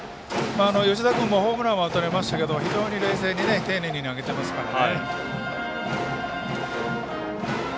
吉田君もホームランは打たれましたけど非常に冷静に丁寧に投げてますからね。